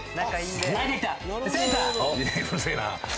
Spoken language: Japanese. うるせえなぁ。